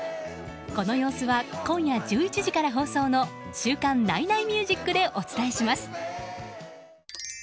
この様子は今夜１１時から放送の「週刊ナイナイミュージック」でお伝えします。